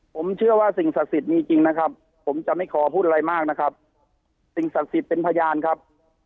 ผมเชื่อว่าสิ่งศักดิ์สิทธิ์มีจริงนะครับผมจะไม่ขอพูดอะไรมากนะครับสิ่งศักดิ์สิทธิ์เป็นพยานครับ